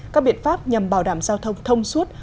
các biện pháp nhằm bảo đảm giao thông thông suốt